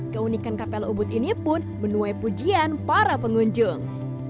keunikan kapel ubud ini pun menuai pujian para pengunjung